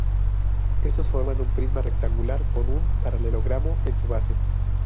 Estos forman un prisma rectangular con un paralelogramo en su base.